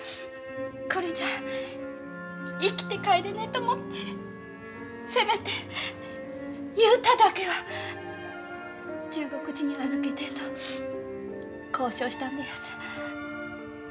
これじゃ生きて帰れないと思ってせめて雄太だけは中国人に預けてと交渉したんでやす。